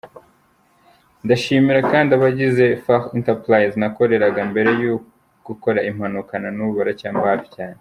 Ndashimira kandi abagize Far enterprises nakoreraga mbere yo gukora impanuka, nanubu baracyamba hafi cyane.